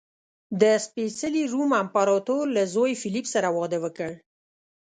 د سپېڅلي روم امپراتور له زوی فلیپ سره واده وکړ.